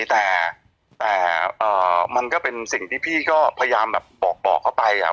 แต่มันก็เป็นสิ่งที่พี่ก็พยายามแบบบอกเขาไป